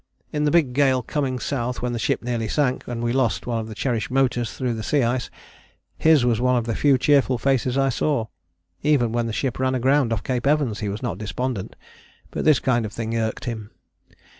In the big gale coming South when the ship nearly sank, and when we lost one of the cherished motors through the sea ice, his was one of the few cheerful faces I saw. Even when the ship ran aground off Cape Evans he was not despondent. But this kind of thing irked him.